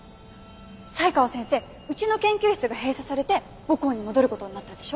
才川先生うちの研究室が閉鎖されて母校に戻る事になったでしょ？